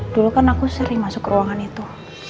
dulu kan aku sering masuk ke ruangan itu